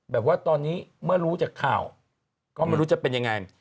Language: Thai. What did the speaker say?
แบบว่าตอนนี้เมื่อรู้จากข่าวก็ไม่รู้จะเป็นยังไง